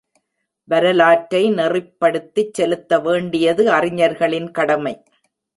வரலாற்றை நெறிப்படுத்திச் செலுத்த வேண்டியது அறிஞர்களின் கடமை.